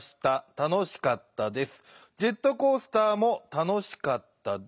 「たのしかったです」